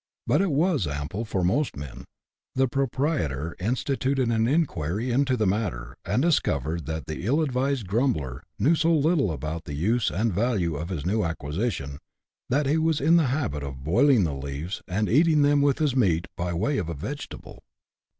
But as it w^as ample for most men, the proprietor instituted an inquiry into the matter, and discovered that the ill advised grumbler knew so little of the use and value of his new acquisition, that he was in the habit of boiling the leaves, and eating them with his meat by way of a vegetable.